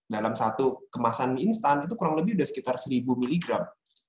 dalam satu kemasan mie instan itu kurang lebih sudah sekitar seribu miligram